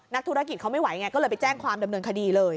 นักธุรกิจเขาไม่ไหวไงก็เลยไปแจ้งความดำเนินคดีเลย